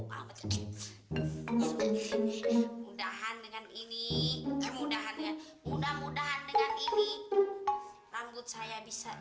mudahan dengan ini mudahnya mudah mudahan dengan ini rambut saya bisa